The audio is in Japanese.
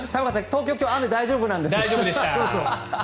東京は今日、雨は大丈夫なんです。